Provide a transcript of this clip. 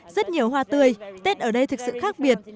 rất nhiều hoa tươi tết ở đây thực sự khác biệt